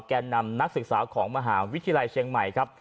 แก่นำนักศึกษาของมหาวิทยาลัยเชียงใหม่ครับ